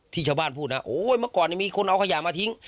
ชาวบ้านพูดนะโอ้ยเมื่อก่อนมีคนเอาขยะมาทิ้ง